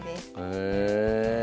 へえ。